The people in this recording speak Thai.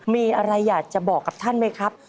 มีอะไรอยากจะบอกกับท่านไหมครับ